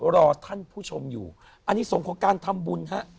รอท่านผู้ชมอยู่อันนี้ส่งของการทำบุญฮะ